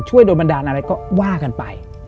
โดนบันดาลอะไรก็ว่ากันไป